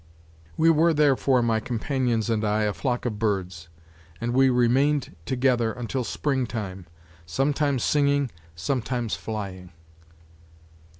We were, therefore, my companions and I, a flock of birds, and we remained together until springtime, sometimes singing, sometimes flying.